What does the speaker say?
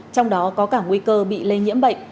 trong đó có cả nguy cơ bị lây nhiễm bệnh